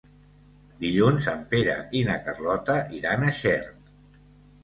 Dilluns en Pere i na Carlota iran a Xert.